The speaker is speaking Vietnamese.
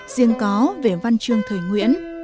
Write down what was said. riêng có về văn chương thời nguyễn